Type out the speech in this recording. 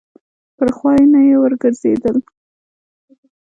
پر خوا یې نه یې ورګرځېدل.